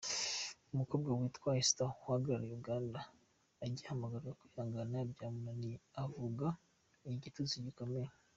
Umukobwa witwa Esther uhagarariye Uganda agihamagarwa kwihangana byamunaniye avuga igitutsi gikomeye.